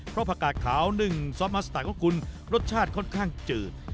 เพราะผักกาดขาว๑ซอสมัสสไตล์ของคุณรสชาติค่อนข้างจืด